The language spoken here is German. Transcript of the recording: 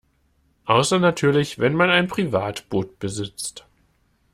Außer natürlich wenn man ein Privatboot besitzt.